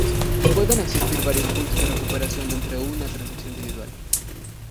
Pueden existir varios puntos de recuperación dentro de una transacción individual.